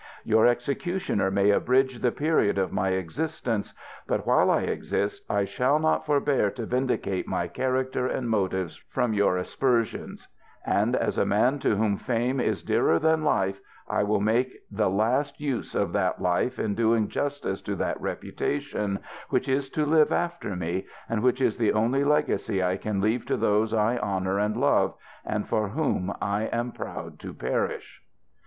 Your executioner may abridge the period of my ex istence ; but while I exist, I shall not forbear to vindicate my character and motives from your aspersions; and as a man to whom fame is dearer than life, I will make the last use of that life in doing justice to that reputation which is to live after me, and which is the only legacy I can leave to those I honour and love, and for whom I am proud to perish.